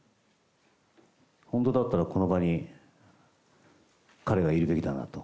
本当だったら、この場に彼がいるべきだなと。